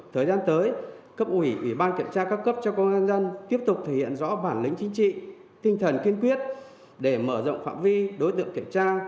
thời gian tới cấp ủy ủy ban kiểm tra các cấp cho công an dân tiếp tục thể hiện rõ bản lĩnh chính trị tinh thần kiên quyết để mở rộng phạm vi đối tượng kiểm tra